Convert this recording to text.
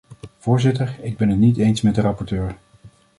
Voorzitter, ik ben het niet eens met de rapporteur.